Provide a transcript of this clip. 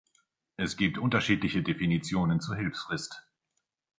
Es gibt unterschiedliche Definitionen zur Hilfsfrist.